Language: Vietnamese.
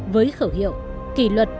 với khẩu hiệu kỷ luật